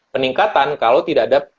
peningkatan kalau tidak ada